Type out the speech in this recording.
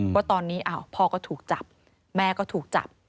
ว่าตอนนี้พ่อก็ถูกจับแม่ก็ถูกจับ